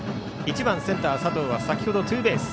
１番センター、佐藤は先ほどツーベース。